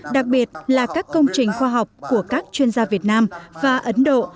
đặc biệt là các công trình khoa học của các chuyên gia việt nam và ấn độ